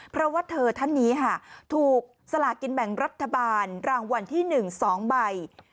เพราะว่าเธอท่านนี้ค่ะถูกสลากินแบ่งรัฐบาลรางวัลที่๑๒ใบ